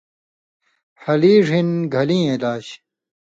ہلیڙ ہِن گھلیں علاج